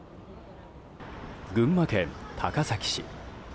群馬県高崎市。